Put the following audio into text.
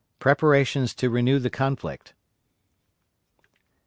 PREPARATIONS TO RENEW THE CONFLICT.